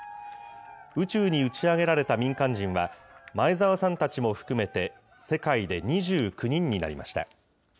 宇宙に打ち上げられた民間人は、前澤さんたちも含めて、世界で２９人になりました。